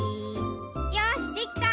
よしできた！